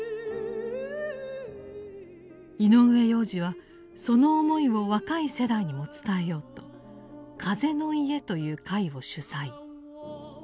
井上洋治はその思いを若い世代にも伝えようと「風の家」という会を主宰。